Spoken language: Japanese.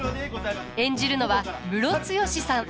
演じるのはムロツヨシさん。